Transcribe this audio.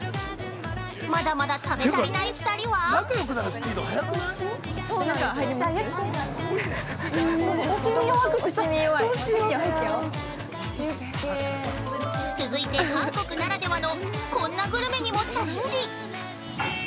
◆まだまだ食べ足りない２人は続いて韓国ならではのこんなグルメにもチャレンジ！